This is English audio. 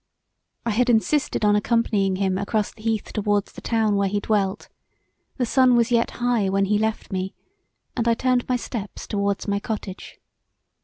I had insisted on accompanying him across the heath towards the town where he dwelt: the sun was yet high when he left me, and I turned my steps towards my cottage.